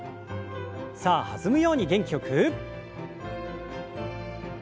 さあ弾むように元気よく。